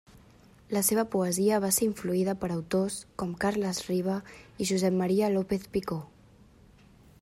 La seva poesia va ser influïda per autors com Carles Riba i Josep Maria López-Picó.